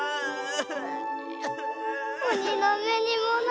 鬼の目にも涙。